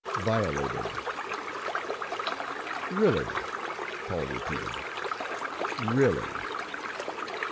VIOLATED "Really," Paul repeated, "really!"